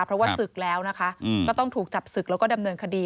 เพราะว่าศึกแล้วนะคะก็ต้องถูกจับศึกแล้วก็ดำเนินคดี